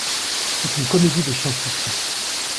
C'est une comédie de science-fiction.